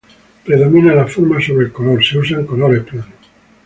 Predomina la forma sobre el color; se usan colores planos.